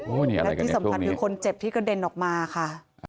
แล้วที่สำคัญคือคนเจ็บที่กระเด็นออกมาค่ะ